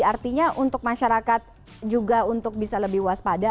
artinya untuk masyarakat juga untuk bisa lebih waspada